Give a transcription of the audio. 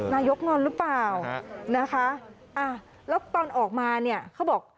นายกงอนหรือเปล่านะคะแล้วตอนออกมาเนี่ยเขาบอก